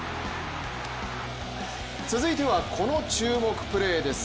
続いてはこの注目プレーです。